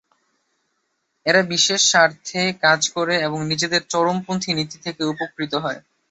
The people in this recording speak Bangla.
এরা বিশেষ স্বার্থে কাজ করে এবং নিজেদের চরমপন্থী নীতি থেকে উপকৃত হয়।